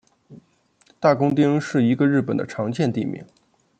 大工町是一个日本的常见地名。